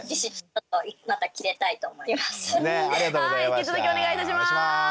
引き続きお願いいたします。